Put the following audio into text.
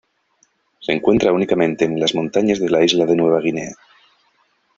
Se encuentra únicamente en las montañas de la isla de Nueva Guinea.